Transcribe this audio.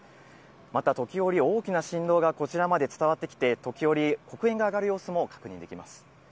また、時折、大きな振動がこちらまで伝わってきて、時折、黒煙が上がる様子も確認できます。